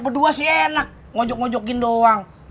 lo berdua sih enak ngonjok ngonjokin doang